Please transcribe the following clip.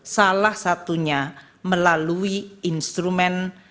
salah satunya melalui instrumen